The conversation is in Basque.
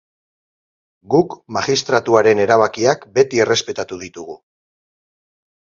Guk magistratuaren erabakiak beti errespetatu ditugu.